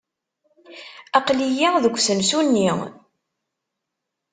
Aql-iyi deg usensu-nni.